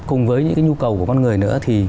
cùng với những nhu cầu của con người nữa thì